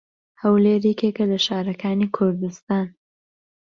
هەولێر یەکێکە لە شارەکانی کوردستان.